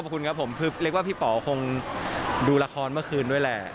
คือเรียกว่าพี่ป๋อคงดูละครเมื่อคืนด้วยแหละ